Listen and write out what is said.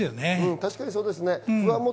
確かにそうですね。